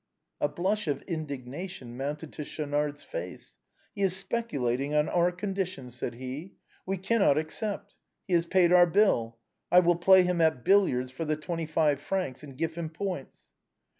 A blush of indignation mounted to Schaunard's face. " He is speculating on our condition," said he ;" we can not accept. He has paid our bill : I will play him at bil liards for the twenty five francs, and give him points."